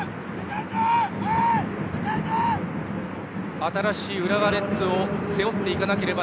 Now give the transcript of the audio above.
新しい浦和レッズを背負っていかなければ